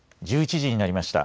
１１時になりました。